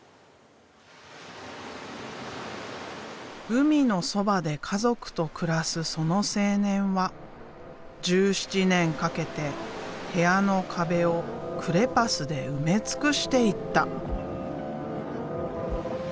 海のそばで家族と暮らすその青年は１７年かけて部屋の壁をクレパスで埋め尽くしていった。